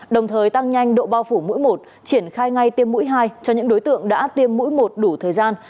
đồng thời tăng nhanh độ bao phủ mỗi một triển khai ngay tiêm mũi hai cho những đối tượng đã tiêm mũi một đủ thời gian